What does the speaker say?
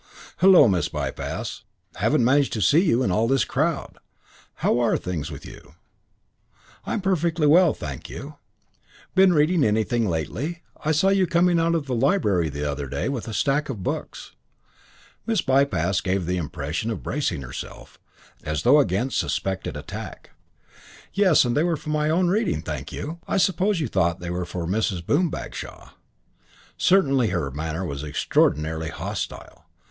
"Hullo, Miss Bypass. Haven't managed to see you in all this crowd. How're things with you?" "I'm perfectly well, thank you." "Been reading anything lately? I saw you coming out of the library the other day with a stack of books." Miss Bypass gave the impression of bracing herself, as though against suspected attack. "Yes, and they were for my own reading, thank you. I suppose you thought they were for Mrs. Boom Bagshaw." Certainly her manner was extraordinarily hostile.